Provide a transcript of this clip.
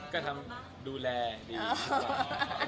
ก็ทำดูแลดีกว่า